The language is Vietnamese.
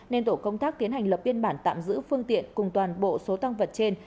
nên tổ công tác tiến hành lập biên bản tạm giữ phương tiện cùng toàn bộ số tăng vật trên